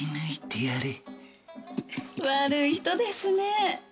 悪い人ですね。